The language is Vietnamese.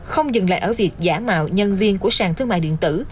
không dừng lại ở việc giả mạo nhân viên của sàn thương mại điện tử